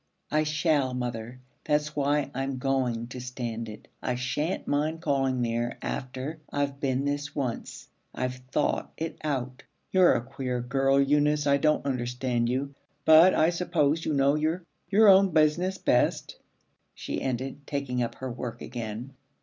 'I shall, mother. That's why I'm going to stand it. I shan't mind calling there after I've been this once. I've thought it out.' 'You're a queer girl, Eunice. I don't understand you. But I suppose you know your your own business best,' she ended, taking up her work again.